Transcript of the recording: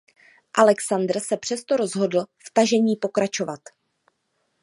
Alexandr se přesto rozhodl v tažení pokračovat.